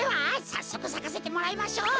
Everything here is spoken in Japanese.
さっそくさかせてもらいましょう！